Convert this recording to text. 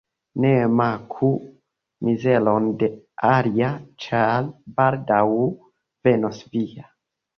Ne moku mizeron de alia, ĉar baldaŭ venos via.